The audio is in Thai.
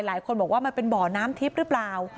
หลายคนบอกว่ามันเป็นบ่อน้ำทิพย์หรือเปล่า